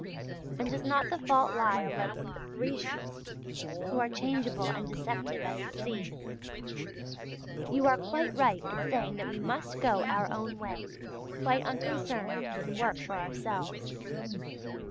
And does not the fault lie a little with the Parisians, who are changeable and deceptive as the sea? You are quite right in saying that we must go our own way, quite unconcerned, and work for ourselves.